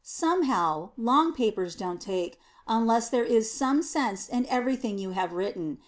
Somehow, long papers don't take, unless there is some sense in everything you have written.